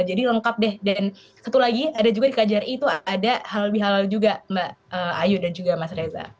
jadi lengkap deh dan satu lagi ada juga di kjri itu ada halal bihalal juga mbak ayu dan juga mas reza